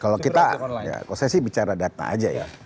kalau kita ya kalau saya sih bicara data aja ya